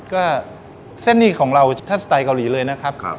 ก็เส้นนี้ของเราถ้าสไตล์เกาหลีเลยนะครับ